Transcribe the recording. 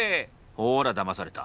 ほらだまされた。